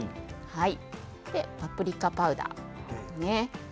そして、パプリカパウダーですね。